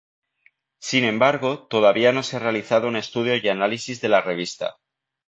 Sin embargo, todavía no se ha realizado un estudio y análisis de la revista.